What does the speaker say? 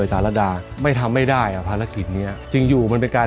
สารดาไม่ทำไม่ได้อ่ะภารกิจเนี้ยจริงอยู่มันเป็นการ